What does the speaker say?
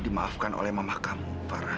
dimaafkan oleh mama kamu farah